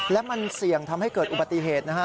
และมันเสี่ยงทำให้เกิดอุบัติเหตุนะฮะ